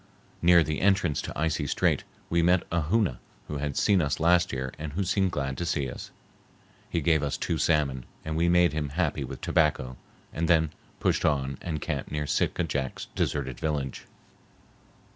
Near the entrance to Icy Strait we met a Hoona who had seen us last year and who seemed glad to see us. He gave us two salmon, and we made him happy with tobacco and then pushed on and camped near Sitka Jack's deserted village.